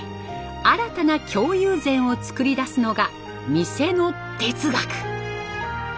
新たな京友禅を作り出すのが店の哲学。